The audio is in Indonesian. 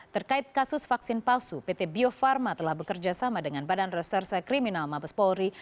terkait kasus vaksin palsu pt bio farma telah bekerja sama dengan badan reserse kriminal mabes polri